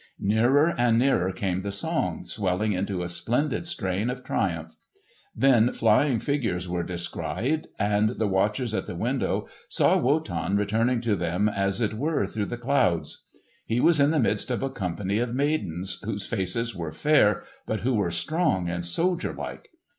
Nearer and nearer came the song, swelling into a splendid strain of triumph. Then flying figures were descried, and the watchers at the window saw Wotan returning to them as it were through the clouds. He was in the midst of a company of maidens, whose faces were fair but who were strong and soldier like.